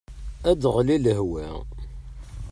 Ad aɣli lehwa.